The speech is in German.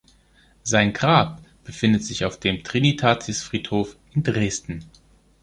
Sein Grab befindet sich auf dem Trinitatisfriedhof in Dresden.